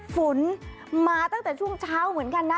ฝนมาตั้งแต่ช่วงเช้าเหมือนกันนะ